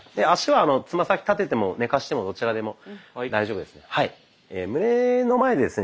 足はつま先立てても寝かしてもどちらでも大丈夫ですので。